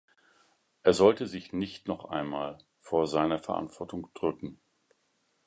Er sollte sich nicht noch einmal vor seiner Verantwortung drücken.